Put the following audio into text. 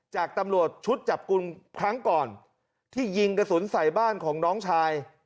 จากตำรวจชุดจับกลุ่มครั้งก่อนที่ยิงกระสุนใส่บ้านของน้องชาย